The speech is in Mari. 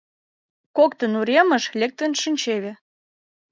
Коктын уремыш лектын шинчеве.